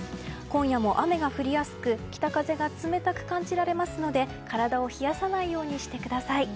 今夜も雨が降りやすく北風が冷たく感じられますので体を冷やさないようにしてください。